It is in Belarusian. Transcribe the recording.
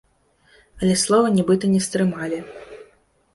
Але слова нібыта не стрымалі.